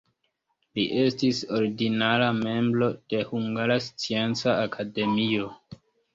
Li estis ordinara membro de Hungara Scienca Akademio.